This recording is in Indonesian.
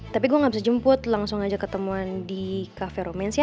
tapi gue gak bisa jemput langsung aja ketemuan di kafe romensia